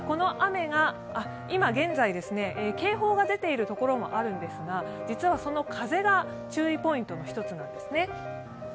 今現在、警報が出ている所もあるんですが、実はその風が注意ポイントの一つなんですね。